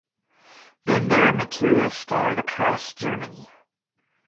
Then there were materials scattered across Germany.